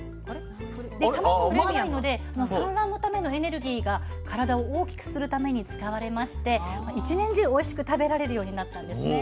で卵を産まないので産卵のためのエネルギーが体を大きくするために使われまして一年中おいしく食べられるようになったんですね。